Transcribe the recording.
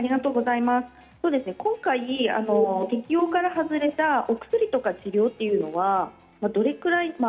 今回、適用から外れたお薬とか治療というのはどれくらい。